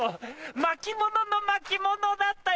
巻物の巻物だった！